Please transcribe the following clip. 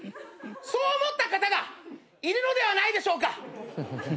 そう思った方がいるのではないでしょうか？